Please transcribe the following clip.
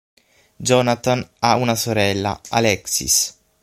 Jonathan ha una sorella, Alexis.